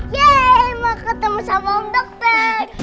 yeay mau ketemu sama om dokter